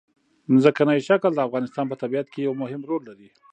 ځمکنی شکل د افغانستان په طبیعت کې یو مهم رول لري.